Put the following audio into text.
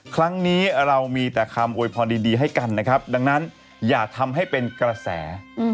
ครั้งนี้เรามีแต่คำโวยพรดีให้กันนะครับดังนั้นอย่าทำให้เป็นกระแส